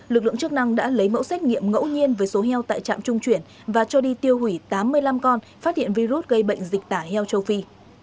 lực lượng chức năng đã lấy mẫu xét nghiệm ngẫu nhiên với số heo tại trạm trung chuyển và cho đi tiêu hủy tám mươi năm con phát hiện virus gây bệnh dịch tả heo châu phi